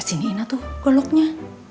sini ina tuh goloknya